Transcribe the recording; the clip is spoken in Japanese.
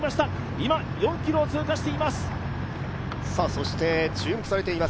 今、４ｋｍを通過しています。